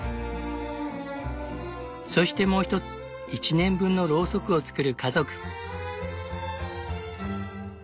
そしてもう一つ１年分のロウソクを作る家族。